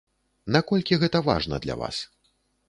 Наколькі гэта важна для вас?